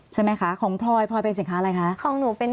ใช่ไหมคะของพลอยพลอยเป็นสินค้าอะไรคะของหนูเป็น